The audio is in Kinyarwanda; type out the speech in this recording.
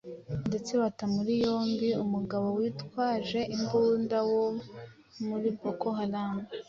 ndetse bata muri yombi umugabo witwaje imbunda wo muri Boko Haramu